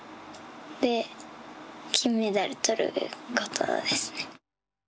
で、金メダル取ることですね。